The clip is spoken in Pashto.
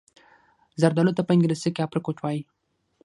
زردالو ته په انګلیسي Apricot وايي.